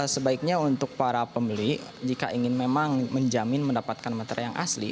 sebaiknya untuk para pembeli jika ingin memang menjamin mendapatkan materi yang asli